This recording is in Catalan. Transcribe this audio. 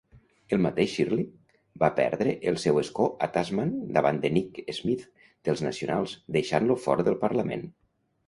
El mateix Shirley va perdre el seu escó a Tasman davant de Nick Smith dels Nacionals, deixant-lo fora del Parlament.